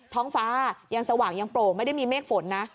ท้องฟ้ายังสว่างยังโปร่งไม่ได้มีเมฆฝนนะ